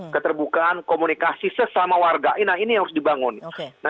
keterbukaan komunikasi sesama warga nah ini yang harus dibangun